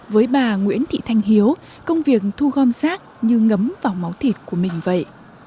với bà nguyễn thị thanh hiếu công việc thu gom rác như ngấm vào máu thịt của mình vậy